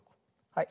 はい。